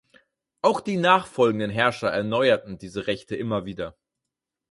Auch die nachfolgenden Herrscher erneuerten diese Rechte immer wieder.